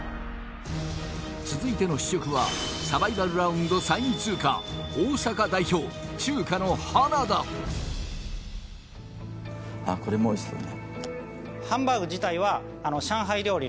続いての試食はサバイバルラウンド３位通過大阪代表中華の花田あっこれもおいしそうね